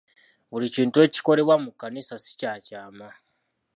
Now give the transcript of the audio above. Buli kintu ekikolebwa mu kkanisa si kya kyama.